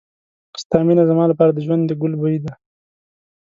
ستا مینه زما لپاره د ژوند د ګل بوی دی.